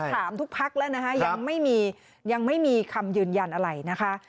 ถามทุกพักแล้วนะคะยังไม่มียังไม่มีคำยืนยันอะไรนะคะ